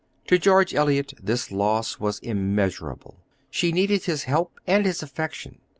To George Eliot this loss was immeasurable. She needed his help and his affection.